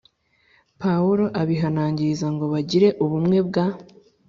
Pawulo abihanangiririza ngo bagire ubumwe bwa